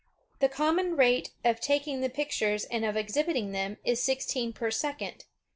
The common rate of taking the pictures and of exhibiting them is sixteen per second.